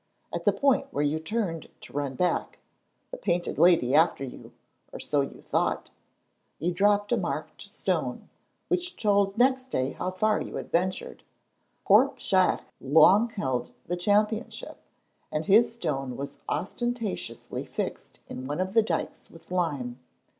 At the point where you turned to run back (the Painted Lady after you, or so you thought) you dropped a marked stone, which told next day how far you had ventured. Corp Shiach long held the championship, and his stone was ostentatiously fixed in one of the dykes with lime.